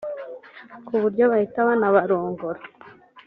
ku buryo bahita banabarongora